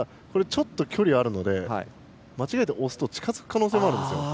距離があるので間違えて押すと近づく可能性もあるんですよ。